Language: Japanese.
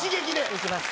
いきます。